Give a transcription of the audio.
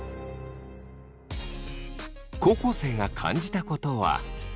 高校生が感じたことは。